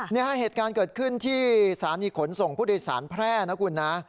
เหตุการณ์เกิดขึ้นที่สถานีขนส่งผู้โดยสารแพร่นะคุณนะ